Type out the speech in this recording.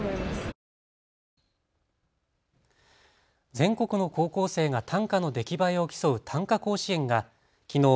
全国の高校生が短歌の出来栄えを競う短歌甲子園がきのう